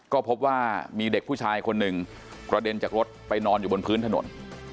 ก็พบว่ามีเด็กผู้ชายคนหนึ่งกระเด็นจากรถไปนอนอยู่บนพื้นถนน